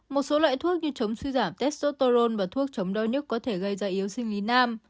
một số loại thuốc như chống suy giảm testosterone và thuốc chống đau nhức có thể gây ra yếu sinh lý nam